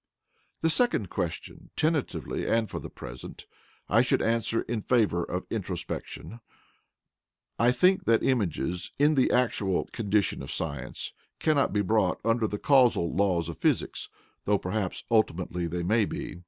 The second question, tentatively and for the present, I should answer in favour of introspection; I think that images, in the actual condition of science, cannot be brought under the causal laws of physics, though perhaps ultimately they may be.